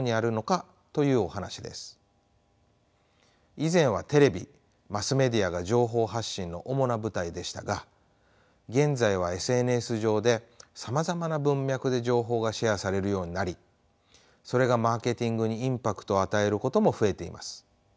以前はテレビマスメディアが情報発信の主な舞台でしたが現在はＳＮＳ上でさまざまな文脈で情報がシェアされるようになりそれがマーケティングにインパクトを与えることも増えています。